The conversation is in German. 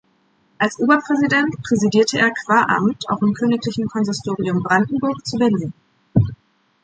Als Oberpräsident präsidierte er qua Amt auch im Königlichen Konsistorium Brandenburg zu Berlin.